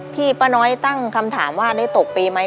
ป้าน้อยตั้งคำถามว่าได้ตกปีไหม